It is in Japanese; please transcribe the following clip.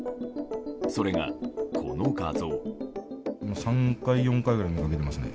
それが、この画像。